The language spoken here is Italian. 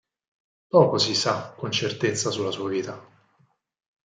Poco si sa con certezza sulla sua vita.